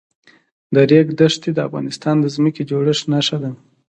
د ریګ دښتې د افغانستان د ځمکې د جوړښت نښه ده.